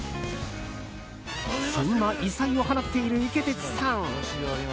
そんな異彩を放っているイケテツさん。